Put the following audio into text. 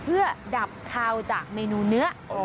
เพื่อดับคาวจากเมนูเนื้อ